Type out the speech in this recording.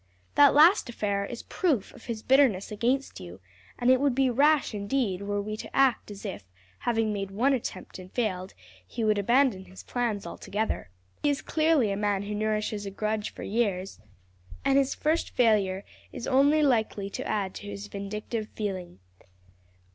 That last affair is proof of his bitterness against you, and it would be rash indeed were we to act as if, having made one attempt and failed, he would abandon his plans altogether. He is clearly a man who nourishes a grudge for years, and his first failure is only likely to add to his vindictive feeling.